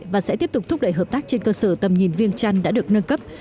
và sẽ tiếp tục thúc đẩy hợp tác trên cơ sở tầm nhìn viên chăn đã được nâng cấp